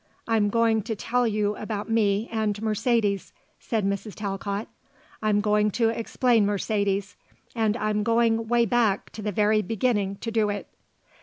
I'm going to tell you about me and Mercedes," said Mrs. Talcott. "I'm going to explain Mercedes. And I'm going way back to the very beginning to do it."